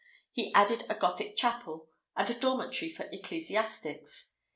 He added a Gothic chapel and a dormitory for ecclesiastics.